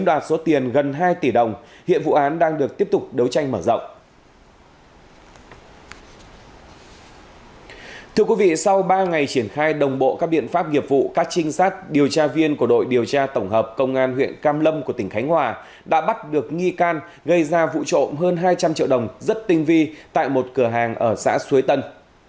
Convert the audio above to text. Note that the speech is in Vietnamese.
điện pháp nghiệp vụ các trinh sát điều tra viên của đội điều tra tổng hợp công an huyện cam lâm của tỉnh khánh hòa đã bắt được nghi can gây ra vụ trộm hơn hai trăm linh triệu đồng rất tinh vi tại một cửa hàng ở xã xuế tân